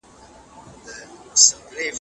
د پخوانيو تنظيمونو پيروان يوازي عاطفي پاته سوي دي.